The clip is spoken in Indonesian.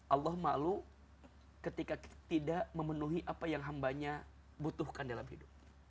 allah malu ketika tidak memenuhi apa yang hambanya butuhkan dalam hidup